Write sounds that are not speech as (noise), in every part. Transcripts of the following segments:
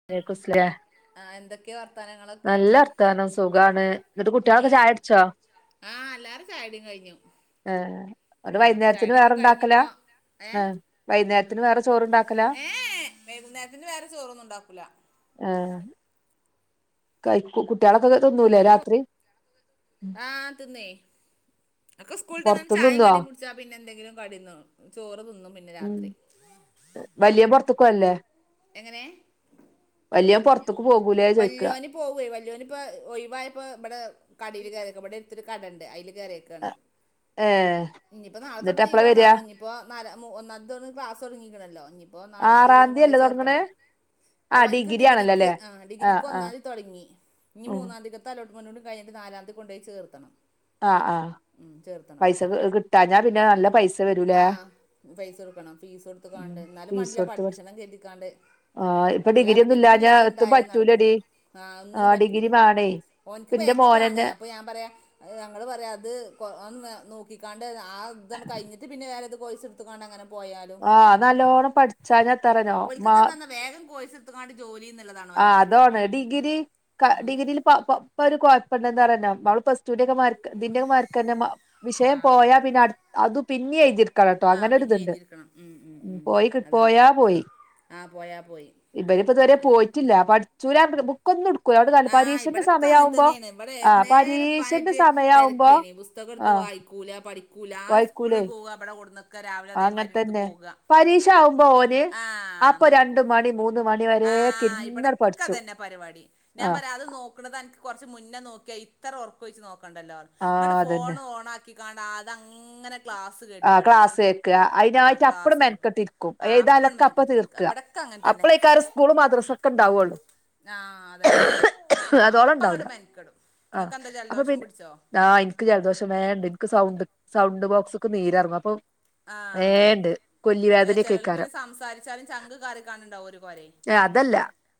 വ അലൈക്കുമുസ്സലാം ആഹ് എന്തൊക്കെയാ വർത്താനങ്ങളൊക്കെ നല്ല വർത്താനം സുഖാണ് ഇന്ന്ട്ട് കുട്ട്യോളൊക്കെ ചായ ഏഹ് കുടിച്ചോ? ആഹ് എല്ലാരെ ചായുടിം കെയ്ഞ്ഞു. ഏഹ് വൈന്നേരത്ത്ന് വേറെണ്ടാക്കല കഴിഞ്ഞിപ്പോ ഏഹ് എഹ് വൈന്നേരത്തിന് വേറെ ചോറ്ണ്ടാക്കല? ഏഹ് വൈകുന്നേരത്തിന് വേറെ ചോറൊന്നും ഉണ്ടാക്കൂല. ആഹ് കൈക്കും കുട്ട്യോളൊക്കെ ക് വേറെ ചോറ് ആ തിന്നേ ഒക്കെ സ്കൂള്ട്ടന്ന് പൊറത്തുന്ന് ചായിം തിന്നുവോ കടിം കുടി ച്ചാ പിന്നെന്തെങ്കിലും കടിന്നും ചോറ് തിന്നും പിന്നെ രാത്രി. വല്യയോൻ പൊറത്തു പേകലില്ലേ? എങ്ങനെ? വെല്യോൻ പൊർത്ത്ക്ക് പോകൂലേ ചോയ്ക്ക പോവുവേ വല്ല്യോനിപ്പോ ഒയവായപ്പോ ഇബടെ കടയില് കയറിക്ക ഇവിടെ എട്ത്തൊരു കടണ്ട് അയില് കയറിയേക്ക ഏഹ്. ഇത്തിപ്പോ നാളെത്തൊട്ട് എന്നിട്ട് എപ്പളാ ലീവാണ് വരിക പറഞ്ഞു. ഇനിപ്പോ നാല മൂ ഒന്നാന്തി തെട്ട് ക്ലാസ്സ്‌ തൊടങ്ങീക്ക്ണലോ ഇനിം. അപ്പൊ നാലാന്തി ആറാം എവ്ടേലും തീയതി അല്ലേ കൊണ്ടോയി തൊടങ്ങണേ ചേർത്തണം. ആഹ് ഓൻക്ക് ഡിഗ്രി ആണല്ലോ ഡിഗ്രിക്ക് അല്ലേ ആ ആഹ് ഡിഗ്രിക്ക് ആഹ് ഒന്നാംതി തുടങ്ങി ഇനി ഉം മൂന്നാംതിക് തലോട്ട്മെന്റോടെ കയ്ഞ്ഞട്ട് നാലാംതി കൊണ്ടോയി ചേർത്തണം. ആഹ് ആഹ് ഉം ചേർത്തണം. പൈസ കി- കിട്ടാഞ്ഞാ പിന്നെ നല്ല പൈസ ആ വരൂലേ പൈസ കൊടുക്കണം ഫീസ് ഉം കൊടുത്ത്കാണ്ട് ഇന്നാലും ഫീസ് വാണ്ടില്ല കൊടുത്ത് പടി പഠി ക്കണം കെര്തികാണ്ട്. ആഹ് ഇപ്പൊ അല്ലാപ്പ ഒന്നും ഡിഗ്രി ഇല്ലാഞ്ഞാ ഇല്ലാതെ എത്തും എന്തായാലു പറ്റൂലടി നടക്കൂലാ ആ ഒന്നിനും ആഹ് പറ്റൂല. ഡിഗ്രി വേണേ ഓൻക് ഇപ്പന്റെ ബേക്ക് ങ്ങണ് മോനന്നെ അപ്പൊ ഞാൻ പറയാ. ഞങ്ങൾ പറയാം അത്ന്ന് നോക്കിക്കാണ്ട് ആ ഇതണം കഴിഞ്ഞിട്ട് പിന്നെ വേറെ ഇത് കോഴിസ് എടുത്ത് കാണ്ട് അങ്ങനെ പോയാലും ആഹ് നല്ലോണം പഠിച്ചാഞ്ഞ എത്തരനോ മാ ഓൽക്കൊക്കെ എന്താ വേഗം കോഴ്സിട്ത് ങ്ങാണ്ട് ജോലിന്ന്ള്ളതാണ്. ആ അതോണ് ഡിഗ്രി ക ഡിഗ്രീല്. പ്പൊ പൊ പ്പൊരു കൊഴപ്പണ്ട് ന്താ റഞ്ഞോ പവള് പ്ലാസ്ടുന്റെകെ മാർക്ക് ഇതിന്റെക്ക മാർകെന്നെ മാ വിഷയം ആ ആ പോയാ പിന്നെ അട് അതു പിന്നിയ്തിട് കളട്ടോ ആ പിന്നെ അങ്ങനെരിത്ണ്ട് എഴുതിയിരിക്കണം ഉം ഉം ഉം പോയിക് അതാ പോയാ പോയി. ആ പോയാ പോയി ഇബരിപ്പതുവരെ അങ്ങനെ പോയിറ്റില്ല പഠിച്ചൂലാ ന്ന്ട്ട് ബു ക്കൊന്നുടുകൂല അതോണ്ട് കാര്യല്ല ആ പരീഷന്റെ ഇവിടൊക്കെ അങ്ങനെ സമയയാവുമ്പോ തന്നെയാണ് ഇവിടെ ആഹ് പരീഷന്റെ സമയവുമ്പോ. പുസ്തകടുത്ത് വായിക്കൂല പഠിക്കൂല ആ സ്കൂളിൽ വായിക്കൂലേ പോവ ബടെ കൊട്ന്ന് അങ്ങൻത്തന്നെ പരീക്ഷാകുമ്പോ ഓന് ആ അപ്പൊ രണ്ട് നോക്കും മണി മൂ ആഹ് ഇബടെക്കതെന്നെ പരിവാടി ഞാൻ ആഹ് പറയാ അത് നോ ന്ന്ക്കണതൻക്ക് കൊറച്ച് മുന്നെ നോക്കിയാ ഇത്ര ഒർക്കൊയ്ച് നോക്കണ്ടല്ലോന്ന് ങ്ങട്ട് ആഹ് അതന്നെ ഫോണ് ഓണാക്കി കാണ്ടാ ആതങ്ങനെ ക്ലാസ്. ത്കേട്ട് ആഹ് പഠിച്ച ക്ലാസ് കേക്ക ആഹ് അയിനായിട്ട് അപ്പട് ക്ലാസ് കേട്ട് മെനക്കെട്ടിരിക്കും ആഹ് അപ്പൊണ്ട് മെനെക്ട്ണ്. കബ്ടക്കങ്ങൻതന്നെ. എകാരും സ്കൂളും മദ്രസൊക്കെണ്ടാവൊള്ളു. ആഹ് അതന്നെ അതോളം ഉണ്ടാവൂല അപ്പങ്ങട് മെൻക്ടും ങ്ങക്കെൻന്താ ജലദോഷം പിടിച്ചോ? ക്ക് ജലദോഷം വേണ്ട് ക്ക് സൗണ്ട് സൗണ്ട് ബോക്സ്ക്ക് നീരറങ്ങു അപ്പൊ. ആഹ് വേണ്ട് കൊല്ലി അല്ല ചെലോൽക്ക് വേദനൊക്കെക്കാരം പിന്നെ സംസാരിച്ചാലും ചങ്ക് കറി കാണുന്നുണ്ടാവും ഒരു കോര ഏഹ് അതല്ല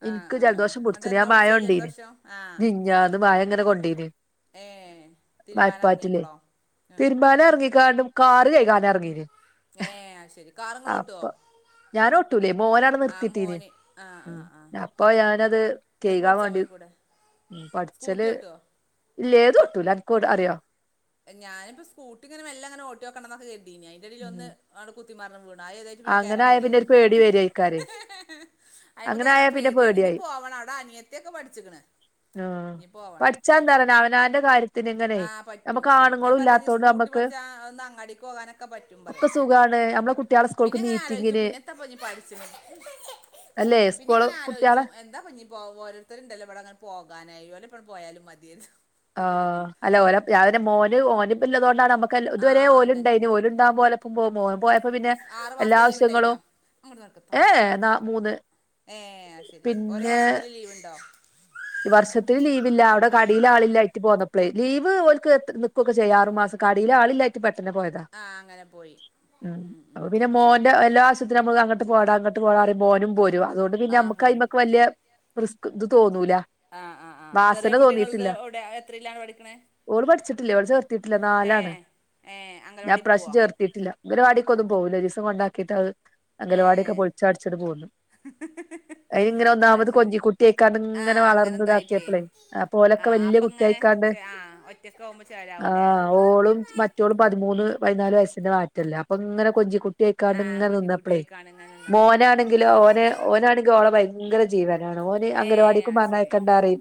എനിക്ക് ജലദോഷം പിടിച്ച് ണ് എന്നാ ഞാൻ മഴ പിടിച്ചേ കൊണ്ടീന് ജലദോഷം ആഹ് മിഞ്ഞാന്ന് മഴ ങ്ങനെ കൊണ്ടീന് ഏ തിരുമ്പാനർങ്ങിയപ്പളോ തീരുബാൻ ഇറങ്ങിക്കാണ്ട് കാറ് കൈകാൻ ഇറങ്ങി ഏഹ് ശെരി കാറ് ങ്ങൾ ഓട്ടോ ഞാൻ ഒട്ടൂലേ മോനാവിടെ നിർത്തിട്ടീന് ഉം അപ്പൊ ഞാനത് കെയ്കാൻ ങ്ങക്ക്പടച്ചാം വേണ്ടി പെയ്ക്കൂടേ ഉം പഠിച്ചല് ഇല്ല ഏത് എത്തുല അക്ക് അറിയോ ഞാനിപ്പം സ്കൂട്ടിങ്ങനെ വല്ലാങ്ങനെ ഓട്ടോക്കണംക്കെ കേര്തീഞ്ഞെ അയ്ന്റെടീല് ഉം ഒന്ന് അഹ് കുത്തിമാറിന്ന് വീണ് അഹ് ഏതു അങ്ങനെ ആയ പിന്നെ ഒരു പേടി വരയ്ക്കാരം അയി്മ കേറാൻ പേടിയാണ് ഇഞ് പോവണം അവിടെ അനിയത്തൊക്കെ പഠിച്ചിക്ണ് ആഹ് പഠിച്ചാന്താലാറ്യാ അവനാന്റെ കാര്യ ആഹ് പറ്റും ഉം ഞ്ഞാ പറ്യാ ഇജ് സ്കൂട്ടി നമ്മക്ക് പഠിച്ച ആ ഒന്ന് അങ്ങാടിക്ക് പോകാനൊക്കെ പ ഒക്കെ സുഖാണ് മ്മളെ കുട്ടിളെ പിന്നെ ഇങ്ങനെ ആലോയ്ച്ചു പിന്നത്തപ്പഞ് പഠിച്ച അല്ലെ പിന്നെ സ്കൂള് എങ്ങനെ കുട്ടികളെ ആലോയ്ച്ചു എ എന്താ പ്പൊഞ്ഞിപ്പോ ഓരോരുത്തരുണ്ടല്ലോ ഇവിടെ ങ്ങനെ പോകാനായി ഓലെപ്പം പോയാലും മതിയെനു ആഹ് അല്ല ഓല രാവിലെ മോന് ഓന്ള്ളതുകൊണ്ടാണ് നമുക്ക് ആ ഇതുവരെ അതന്നെ ഓലുണ്ടായിന് ഓല് ഉണ്ടാവുമ്പോ ഓലെ പ മ്പോ മോൻ പോയപ്പോ പിന്നെ ആറ് എല്ലാ മാസത്തെ ലീവ് ആവശ്യങ്ങളും ഉണ്ടായിനോ എഹ് ഏഹ് ന്ന മൂന്ന് ഏഹ് അഹ്ശരി ഓരോ പിന്നെ വർഷത്തില് ലീവ്ണ്ടോ വർഷത്തിൽ ലീവില്ല അവിടെ കടിയില് ആളി ല്ലായ്ട്ട് പോന്നപ്പളേ ലീവ് ഓല്ക് എത്ര നിക്കൊക്ക ചെയ്യാം ആറ് മാസം കടില് ആളില്ലായിട്ട് പെട്ടെന്ന് പോയതാ ആഹ് അങ്ങനെ പോയി ഉം ഉം ഉം ന്റെ എല്ലാ ആസത്തിന്നും നമ്മക് അങ്ങട്ട് പോട അങ്ങട്ട് പോടാ പറയുമ്പോ ഓനും പോരും അതുകൊണ്ട് പിന്നെ ആ നമ്മക്ക് പോരും അയ്മക്ക് വല്യ റിസ്ക് ഇത് തോന്നൂല ആഹ് ആഹ് ആഹ് ചെറിയ വാസന കുട്ടികൾ ഇത് തോന്നിയിട്ടില്ല ഇവിടെ എത്രല്ലാണ് പഠിക്കണേ ഓള് പഠിച്ചിട്ടില്ല ഓളെ ചേർത്തിട്ടില്ല ഏ നാലാണ് ഏ അംഗൻവാടി ഞാൻപ്രാവശ്യം പോവോ ചേർ ട്ടിട്ടില്ല അംഗലവാടി ഒന്നും പോകൂല ഒരിസം കൊണ്ടാക്കിട്ട് അത് അംഗലവാടിയൊക്കെ ഏ പൊളിച്ചാടിച്ചി് പോന്നു അയീങ്ങനെ അത് ഒന്നാമത് ശരി കൊഞ്ചിക്കുട്ടിയ്ക്കാണ്ട് ങ്ങനെ ആഹ് അങ്ങനെന്തായിട്ടേ വളർന്നതാക്കിയപ്പളെ അപോലെ ആഹ് അപ്പങ്ങനെ ആഹ് ഒറ്റക്ക ആവുമ്പോ ചേലാവൂല്ലേ ആഹ് ഓളും മറ്റോളും പതിമൂന്ന് പതിനാല് വയസ്സിന്റെ മാറ്റല്ല അപ്പൊങ്ങനെ കൊഞ്ചികു ട്ട്യേക്കാണ്ട് ആഹ് ങ്ങനെ നിന്നപ്പളേ കൊഞ്ചിക്കുട്ടിയായിക്കാണ് ഇങ്ങനെ നിന്നപ്പോ മോന നെങ്കിലോ ഓനെ ഓനാണെങ്കിൽ ഓളെ ഭയങ്കര ജീവനാണ് ഓന് ഏഹ് അംഗനവാടിക്കും അത് പറ ശരി ഞ്ഞയക്കണ്ടാറിയും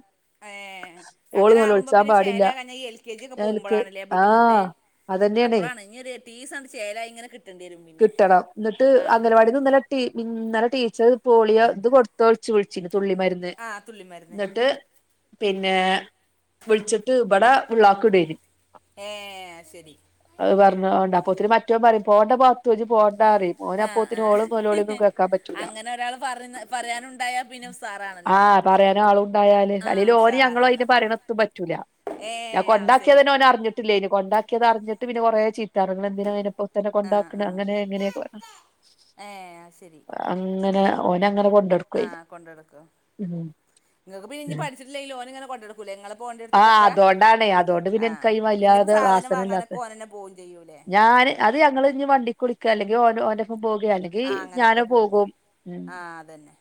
ഏഹ് അങ്ങനെ ആകുമ്പോ പിന്നെ പാടില്ല ചേലാകാഞ്ഞ ഈ എൽ കെ ജി ഒക്കെ ഞാൻ ഇൻക്ക് പോകുമ്പോഴാണല്ലേ ബുദ്ധിമുട്ട് ആഹ് അതന്നെയാണേ അപ്പളാണ് ഇനി ഒരു യെട്ടിസണ്ട് ചേലയി ഇങ്ങനെ കിട്ടണ്ടിരും പിന്നെ ആഹ് കിട്ടണം ട്ടി ഇന്നലെ ടീച്ചർ പോളിയോ ഇത് കൊടുത്തൊയ്ച്ചു വിൾച്ചിഞ്ഞി തുള്ളി മരുന്ന് ആഹ് തുള്ളിമരുന്ന് ന്നട്ട് പിന്നെ വിളിച്ചിട്ട് ഇവിടെ ഉള്ളാക്കി ഇടേനി ഏഹ് അഹ് ശരി അഹ് പറഞ്ഞ ഓണ്ട് അപ്പൊത്തിനി മറ്റോം പറയും പോണ്ടമ്മ മുത്തോ ഇജ്ജ് പോണ്ടാ പറിം ഓന ആഹ് അപ്പൊത്തിന് ഓളും നെലോളിയൊന്നും ആഹ് കേൾക്കാൻ പറ്റൂല്ല അങ്ങനെ ഒരാള് പറഞ്ഞ പറയാനുണ്ടായാ പിന്നെ ഉസാറാണല്ലോ ആഹ് പറയാന ആളുണ്ടായാല് ആഹ് അല്ലെലും ഒന് ന് ഞങ്ങളു ഉഷാറാണല്ലോ അയ്ന് പറിണത്തും പറ്റൂല ഞാൻ ഏഹ് അത് ശരി കൊണ്ടാക്കിയതനെ ഓൻ അറിഞ്ഞി ട്ടില്ലേഞ് കൊണ്ടാക്കിയത് അറിഞ്ട്ട് പിന്നെ കൊറേ ചീത്താറിം ങ്ങ എന്തിന അയിനെ പ്പോ ത്തന്നെ ആഹ് കൊണ്ടാക്ണെ ആഹ് അങ്ങനെ ഇങ്ങനെക്കെ പറഞ്ഞു ഏഹ് അത് അങ്ങനെ ഓന അങ്ങനെ കൊണ്ടോ ആഹ കൊണ്ടെടുക്കോ ങ്ങക്ക് പിന്നെ ഇനി പഠിച്ചിട്ടില്ലേങ്കിലും ഓന് ഇങ്ങനെ കൊണ്ട ക്കൂലെ നിങ്ങൾ പോകേണ്ട ടുത്ത് ആഹ് ക്കൊക്കെ അതോണ്ടാണേ അതുകൊണ്ട് പിന്നെ ആഹ എനിക്കതിന് പിന്നെ ഇപ്പൊ വല്ലാതെ സാധനം വാസന വാങ്ങാനൊക്കെ ഇല്ലാത്തെ ഓനന്നെ പോകും ചെയ്യൂല്ലേ ഞാന് അത് ഞങ്ങള് ഇന്നി വണ്ടി ക്കിളിക്കെ അല്ലെങ്കിൽഓ ഓന്റെ പ്പം പോകയാ അല്ലങ്കിൽ ങ്കിഞാന് പോകും ഉ ആതന്നെ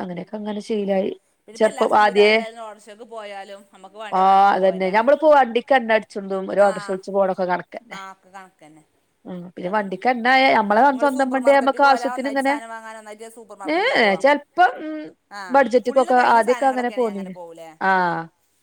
അങ്ങനെയൊക്കെ അങ്ങനെ ഷീ ലായി ഇതിപ്പോ എല്ലാ സംവിധാനം ഉണ്ടായിരുന്നു ഓട്ടോറിക്ഷയ്ക്ക് പോയാലും നമ്മുക്ക് വേണ്ടി വാങ്ങി പോരാം ഇപ്പോ വണ്ടിക്ക് എ ണ്ണഅടി ച്ചു ന്നതും ഒരു ഓട്ടോറിക്ഷ പിടിച്ചു പോണതും കണക്കാ ആഒക്കെ കണക്ക്ന്നെ ഉം പിന്നെ വണ്ടിയ്ക്കെ ണ്ണായെ നമ്മളെ സ്വന്തം സൂപ്പർ വണ്ടി മാർക്കറ്റിൽ നമ്മക്ക് പോകാല ആവശ്യത്തിന് ഒന്നായിട്ട് ഇങ്ങനെ സാധനം വാങ്ങാൻ ഒന്നായിട്ട് സൂപ്പർ ഏ മാർക്കറ്റിൽ പോവാ ചെല ഇപ്പം മം ആ ഫുള്ള് ബഡ്ജറ്റ്ക്കൊക്കെ കഴിഞ്ഞ ആദ്യക്കെ അങ്ങനെ സാധനങ്ങളൊക്കെയാണ് പോന്നീന് പോകൂലേ ആ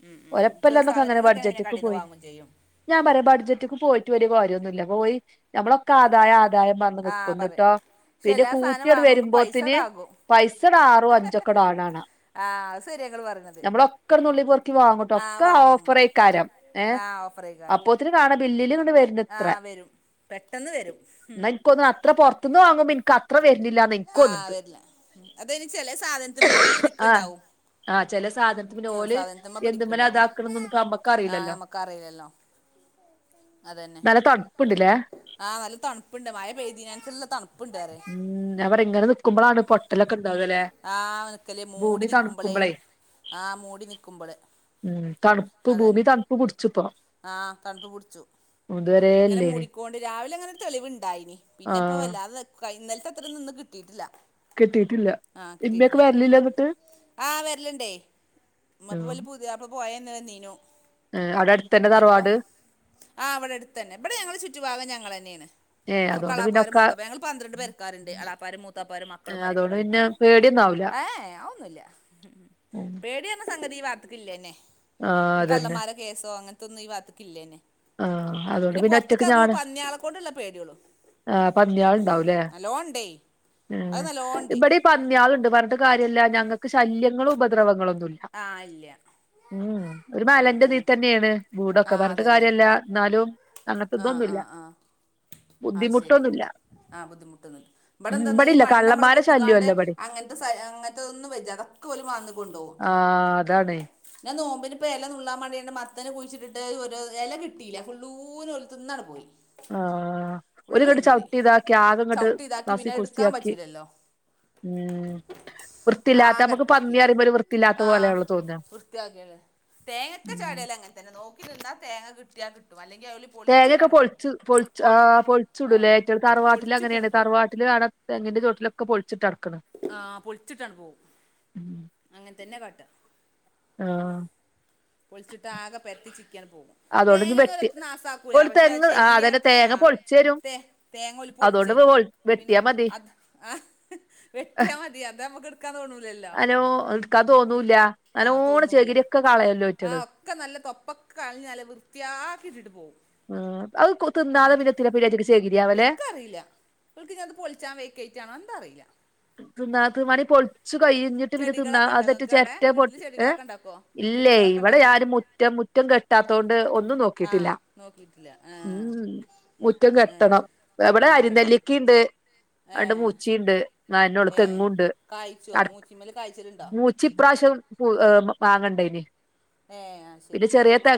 ഉം, ഉം. ചെറു കൊഴപ്പില്ലണ്ടൊക്കെ അങ്ങനെ സാധനങ്ങളൊക്കെയാണ് പിന്നെ ബഡ്ജറ്റ് ക്കെ കടയിൽ നിന്ന് പോയിന് വാങ്ങും ചെയ്യും ഞാൻ പറയാം ബഡ്ജറ്റക്ക് പോയിട്ട് ഒരു കാര്യവൊന്നുഇല്ല പോയി നമ്മളൊക്കെ ആദായ (unintelligible) ആ പറയും എന്നിട്ടോ പക്ഷെ പിന്നെ എല്ലാ കൂട്ടി സാധനം യങ്ങോട്ട് വാങ്ങുമ്പോൾ പൈസ വരുമ്പോത്തിനു ഇടാകും പൈസ ഇച്ചിരി ആറോ അഞ്ചൊക്കെ ഉള്ള ആടാണ് ആ അത് ശരിയ നിങ്ങൾ പറഞ്ഞത് നമ്മള് ഒക്കെ നുള്ളി പറക്കി വാങ്ങോട്ടൊ ഒക്കെ വാങ്ങുമ്പോൾ ഓഫറ് ആയി ക്കാരം ഏ ആ ഓഫർ ചെയ്യിക്കാനും അപ്പൊ ഒത്തിരി കാണും ബില്ലില് ഇങ്ങോട്ട് വ ആ രുന്നില്ലത്രേന്നാ വരും പെട്ടെന്ന് വരും ഉം. എനിക്ക് തോന്നുഅത്ര പൊറത്ത് പൊറത്തുനിന്ന് വാങ്ങുമ്പോ എനിക്ക് അത്ര വരുന്നില്ലാന്നേ ആ വരില്ല അത് ഒരു ചെല സാധനത്തിമേല്അവള് പിടിക്ക് ണ്ടാവും ആ ചെല സാധനത്തില് ഓല് എന്തുമെലെ പിടിക്കുണ്ടാവും ഇതാക്കണന്ന് ഒന്നും നമ്മക്ക് ആ അറിയില്ലല്ലോ നമുക്കറിയില്ലല്ലോ നല്ല തണുപ്പുണ്ടില്ലേ ആ നല്ല തണുപ്പുണ്ട് മഴ പെയ്തിനനുസരിച്ചുള്ള തണുപ്പുണ്ട് മം വ്ടെ ഇങ്ങനെ നിക്കുമ്പോഴാണ് പൊട്ടലൊക്കെ ഉണ്ടാകുകല്ലേ ആ നിക്കല്ലേ മൂടി നിക്കുമ്പളേ ആ മൂടി നിക്കുമ്പള് ഉം തണുപ്പ് അതെ ഭൂമി തണുപ്പ് പിടിച്ചിപ്പോ ആ തണുപ്പ് പിടിച്ചു ഇതുവരെ ഇങ്ങനെ ഇല്ലേന് മൂടിക്കോണ്ട് രാവിലെ ഇ ങ്ങനെഒരു തെളിവുണ്ടായിനി പിന്നെപ്പൊ ആഹ് വല്ലാതെ ഇന്നലത്തെ അത്ര ഒന്നും ഇന്ന് കിട്ടീ ട്ടില്ല കിട്ടീട്ടില്ല ആ കിട്ടിയിട്ടില്ല ആ വരലുണ്ടേ (unintelligible) ഉം നമ്മള് പോയേന്നന്നീനു (unintelligible) അവിടെ അടുത്തന്നെ തറവാട് ആ ഇവിടെ അടുത്ത് തന്നെ ഇവിടെ ഞങ്ങള് ചുറ്റുഭാഗം ഞങ്ങള് തന്നേ ണ് ഏഹ് അതുകൊണ്ട് പിന്നെ എളാപ്പാരും ഒക്കെ മൂത്തപ്പ ഞങ്ങൾ പന്ത്രണ്ട് പെരക്കാരുണ്ട് എളപ്പാരേം മൂത്താപ്പാരെയും മക്കളും ഏഹ് മരുക്കളും അതുകൊണ്ട് പിന്നെ ആയിറ്റ് പേടിയൊന്നും ആവില്ല ഏ അഒന്നുഇല്ല ഉം പേടിയെന്ന സംഗതിഈ ഭാഗത്ത്ക്ക് ക്കില്ലെന്നെ ആഹ് ഒരു അതന്നെ കള്ളന്മാരെ കേസോ അങ്ങനത്തൊന്നും ഈ ഭാഗത്ത്ക്ക് ഇല്ലേനെ ആഹ് അതുകൊണ്ട് പിന്നെ പൊറത്ത്ക്ക് ഇറങ്ങുമ്പോ പന്നികളെ കൊണ്ടുള്ള പേടിയുള്ളൂ ആ പന്നികൾ ഉണ്ടാവും ഇല്ലേ നല്ലോണം ഉണ്ടേ അത് മം നല്ലോണം ഉണ്ട് ഇവിടെ ഈ പന്നി യാളുണ്ട് പറഞ്ഞിട്ട് കാര്യല്ല ഞങ്ങൾക്ക് ശല്യങ്ങളും ഉപദ്രവങ്ങളൊന്നുമില്ല ആ ഇല്ല ഉം ഒരു ആ മലന്റെ ആ ഇതിതന്നേണ് ആ വിടൊക്കെ പറഞ്ഞിട്ട് കാ അതന്നെ ര്യല്ല എന്നാലും അങ്ങനത്തെ ആ ആ തൊന്നുഇല്ല ആ അത് ശരി ബുദ്ധിമുട്ടൊന്നുല്ല ആ ബുദ്ധിമുട്ടൊന്നുമില്ല ഇവിടെ ഉം എന്താന്നാ ഈ ഇബടില്ല മണ്ണ് മ്മളെ കു കള്ളന്മാരെ ത്തിക്കാണ്ട് ശല്യല്ല ഇബടെ അങ്ങനത്തെ സ അങ്ങനത്തെതൊന്നും വച്ചാ (unintelligible) മാന്തിക്കൊണ്ടോവും ആ അതാണേ ഞാൻ നോമ്പിന് ഇപ്പൊ ഇല നുള്ളാൻ മേണ്ടിയണ്ട് മത്തനെ കുഴിച്ചിട്ടിട്ട് ഒരു ഇല കിട്ടിയില്ല ഫുള്ളൂനെ ഓലു തിന്നങ്ങു പോയി ആ ഫുള്ള് ഒരിതുകൊണ്ട് തിന്നുപോയി ചവിട്ടി ഇതാക്കി ആകെങ്ങോട്ട് ചവിട്ടി ഇതാക്കി നസി പിന്നെ കുസി എടുക്കാൻ ആക്കി പറ്റൂലല്ലോ ഉം ആ വൃത്തിയില്ലാത്ത നമുക്ക് കരപ്പാക്കി പന്നി അറിയുമ്പോ ഒരു വൃത്തിയില്ലാത്ത പോലെയാണല്ലോ തോന്നാ ദേഹത്ത് ഉം ചാടിയാലും അങ്ങനെ തന്നെ നോക്കി നിന്നാൽ തേങ്ങ കിട്ടിയാൽ കിട്ടും അല്ലെങ്കിൽ അവല് തേങ്ങയെക്കെ പൊളിച്ച് പൊളിച്ച് ആഹ് ആ പൊളിച്ചിടുവല്ലേ എന്റെ തറവാട്ടിൽ പൊളിച്ചിട്ടാണ് അങ്ങനെയാണ് പോവും തറവാട്ട ട്ടില് കാണം തെങ്ങിന്റെ ചോട്ടിൽ ഒക്കെ പൊളിച്ചിട്ട് കടക്കന്ന് ആഹ് പൊഴിച്ചിട്ട് അങ്ങ് പോകും അങ്ങനെ തന്നെ കാട്ടുക ആഹ് പൊളിച്ചിട്ട് ആകെ പെരത്തി ചിക്കി അങ്ങ് പോകും അതോണ്ട് ഇഞ്ഞ് വെട്ടി തേങ്ങന്ന്ലത്ത് നാസാക്കൂല ഓല് പക്ഷെ തെങ്ങ് ആഹ് ചെകിരി അതന്നെ തേങ്ങ ആഹ് പൊളിച്ചരും തേ തേങ്ങ ഓല് പൊളിച്ചു അതോണ്ട് പൊൾ തരും പിന്നെ വെട്ടിയാ മതി അത് ആഹ് വെട്ടിയാ മതി അത് നമ്മക്ക് എടുക്കാൻ തോന്നൂലല്ലോ നല്ലോ ഇട്ക്കാൻ തോന്നൂല്ല ആ നല്ലോണം തോന്നൂല്ല ചെകിരിക്കെ കളയല്ലോ ആ അവറ്റക്കള് ഒക്കെ നല്ല തൊപ്പൊക്കെ കളഞ്ഞ് നല്ല വൃത്തിയാക്കി ഇട്ടിട്ട് പോകും മ്മ് അത് തിന്നാതെ പിന്ന (unintelligible) ചെകരിയാവല്ലേ അറിയില്ല ഇവല്‌ക്ക് അത് പൊളിച്ചാൻ വക്കയിറ്റാണോ എന്താറിയില്ല മണി പൊളിച്ചു കയിഞ്ഞു പിന്ന തിന്ന ചെടികളൊക്കെ ഉണ്ടാക്കും അതട്ട് നിങ്ങൾക്ക് അവിടെ ചരട്ട വീട്ടിൽ പൊട്ട് ഏഹ് ചെടികളൊക്കെ ഉണ്ടാക്കുമോ ഇല്ലേ ചെടികളൊക്കെ ഇവിടെ ഉണ്ടാക്കുമോ ആരും മുറ്റം മുറ്റം കെ കെട്ടാത്തൊണ്ട് ഒന്നും ആ നോക്കിട്ടില്ല നോക്കിയിട്ടില്ല ആ ഉം മുറ്റം ഏ. കെട്ടണം ഇവിടെ ആ അരി കട്ടും നെല്ലിക്കയുണ്ട് അണ്ട് ഏ മുച്ചിയുണ്ട് അതിൻ്റൊടെ ഏ തെങ്ങുമുണ്ട് കായ്ച്ചോ അട മൂച്ചിമ്മൽ കായ്ച്ചിട്ടുണ്ടോ മു ചി പ്രാവശ്യം ഉം മാങ്ങണ്ടേന് ഏഹ് അത് ശരി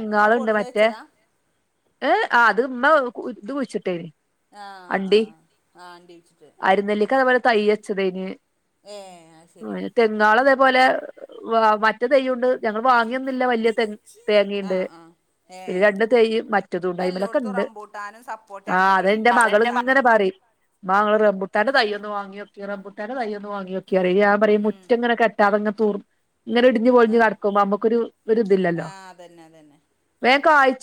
ഇങ്ങനെ കൊട്ടുന്ന് വെച്ചതാ ഏഹ് അത് ഇമ്മ ഇത് കുയിച്ചിട്ടേന് ആഹ് ആഹ് ആഹ് ആഹ് ആണ്ടി വച്ചിട്ട് അരിനെല്ലിക്ക അതുപോലെ തൈയ് വച്ചതെന് ഏഹ് അത് ശരി തേങ്ങാൾ അതേപോലെ മറ്റ തയ്യുണ്ട് ഞങ്ങൾ വാങ്ങിയൊന്നുല്ല വലിയ തേ ആ തേങ്ങയുണ്ട് ആ ഏ പിന്നെ രണ്ട് ഇപ്പം തേ മറ്റ റ്റതുണ്ട് അയ് മേലൊക്കെ എല്ലോടത്തും ഉണ്ട് റംബൂട്ടാനും സപ്പോട്ട അങ്ങനെ ആഹ് ഇവിടെ അതെന്റെ ഇല്ല മകൾ അങ്ങനത്തെ ഇങ്ങനെ സാധനങ്ങൾ പറയും ഉമ്മാങ്ങള് റബുട്ടാന്റെ തൈയൊന്ന് വാങ്ങിയോക്ക് റബുട്ടാന്റെ തൈയ്യൊന്ന് വാങ്ങിയക്ക് റിയ ഞാൻ പറയും ഉം മുറ്റങ്ങനെ കെട്ടാതിങ്ങനെ അതങ്ങെ തൂർ ഇങ്ങന ഇടിഞ്ഞ് ആ പൊളിഞ്ഞ് കടക്കുമ്പോ നമുക്കൊരു ആ ഒരിതില്ലല്ലോ വേഗം കായ്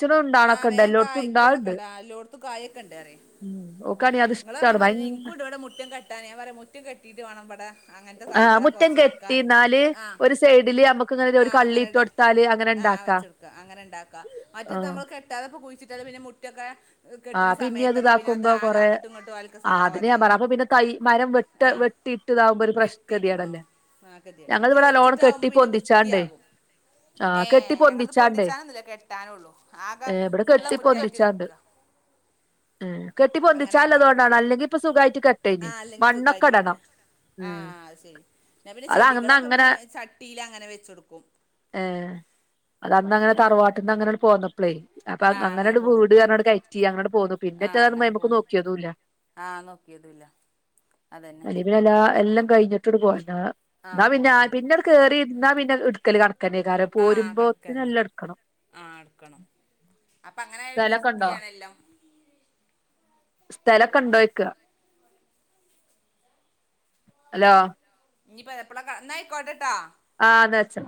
ആഹ് വേഗം കായ്ക്കോണൊക്കെ ഉണ്ട് എല്ലോടത്തും കായൊക്കെ ഉണ്ട് പറയും ഉം ഓക്കാണെ അത് നിങ്ങള് പറഞ്ഞാ ഇഷ്ടാണ് മാതിരി ഭയങ്ക ഇനിക്കും ഇവിടെ മുറ്റം കെട്ടാൻ ഞാൻ പറയാ മുറ്റം കെട്ടീട്ട് വേണം ഇവിടെ അങ്ങനത്തെ ആഹ് തൈകളെ മുറ്റം കുറച്ച് വെക്കാന് കെട്ടിന്നാല് ആഹ് ഒരു സൈഡില് നമ്മക്ക് ഇങ്ങനെ ഒരു ആഹ് കള്ളി അങ്ങനെ ഇട്ട് ഇട കൊടുത്താല് അങ്ങനെ ആഹ് ഇണ്ടാക്കാം വെച്ചോടുക്ക അങ്ങനെ ഇണ്ടാക്കാ മറ്റത് ആഹ് നമ്മ കെട്ടാതെ കുഴിച്ചിട്ട പിന്നെ മുറ്റൊക്കെ ആഹ് കെട്ടുന്ന പിന്നിം സമയത്തൊക്കെ പിന്നെ അത് ഇതാക്കുമ്പോ ആകെ കൊറേ അങ്ങോട്ടും ഇങ്ങോട്ടും ആൾക്ക് ആഹ് അതിന് ഞാൻ പറ സമാവാത്തിയാവും അപ്പൊ പിന്നെ തൈ മരം വെട്ട ആഹ് വെട്ടിയിട്ട് ഇതാവുമ്പോ ഒരു പ്രശ് വെട്ടിട്ട് ഗതികേടല്ലേ ആഹ് വാക്കത്തി ഞങ്ങൾ ആഹ് ഇവിടെ നല്ലോണം വെച്ചിട്ടാവുമ്പോ കെട്ടി പിന്നെ പൊന്തിച്ചാണ്ട് വൃത്തിയാകും ആ ഏഹ് കെട്ടി ഞങ്ങളത് പൊന്തിച്ചാണ്ട് പൊന്തിച്ചാനൊന്നുമില്ല കെട്ടാനുള്ളൂ ആകെ ഏ ഇവിടെ ഫുള്ളം കെട്ടി മുറ്റായിട്ട് കിടക്കുവാ മ്മ് കെട്ടി പൊന്തിച്ചാൽ ആക്കാനോ അതുകൊണ്ടാണ് അല്ലെങ്കി ഇപ്പൊ സുഖമായിട്ട് കെട്ടാഞ്ഞ് ആഹ് അല്ലെങ്കിൽ സുഖായിട്ട് പറ്റാ മണ്ണൊക്കെടണം ആഹ് അത് ശരി എന്നാ പിന്നെ അത് അന്ന് ചെടികളൊക്കെ അങ്ങനെ പിന്നെ ചട്ടിൽ അങ്ങനെ വെച്ചൊടുക്കും ഏഹ് അത് അന്ന് അങ്ങനെ തറവാട്ടന്ന് അങ്ങനെട് പോന്നപ്പളേ അപ്പൊ ആഹ് അങ്ങനെ അങ്ങനെട് പോന്ന് വീട് പറഞ്ഞ് കഴ റ്റി അങ്ങോട്ട് പോന്നു പിന്നിപ്പോ ആഹ് അങ്ങനെ അത്ക്ക് പോന്ന് നോക്കിയതും ഇല്ല ആഹ് നോക്കിയതുല്ല അതന്നെ പിന്നെല്ല എല്ലാം കഴിഞ്ഞിട്ടോട് പോയി ആഹ് എന്നാ പിന്നെ പോരുന്നു പിന്നെട് കേറി ഇരുന്നാ പിന്നെ ഇടുക്കല് കണക്കാ ക്കന്നെ ആഹ് കണക്കന്നെ പോരുമ്പോത്തിനെല്ലാം എടുക്കണം അപ്പൊ അങ്ങനെ ആയാല് ഒരു സ്ഥലൊക്കെ ഉണ്ടോ വൃത്തിയാണ് എല്ലാം സ്ഥലം ഒക്കെ ഉണ്ടോ അതന്നെ ചോദിക്കുവാ ഹലോ ഇനി ഇപ്പ എപ്പള്ള കാണുവാ എന്നാ ആയികോട്ടെ ട്ടോ ആഹ് എന്നാ വച്ചോ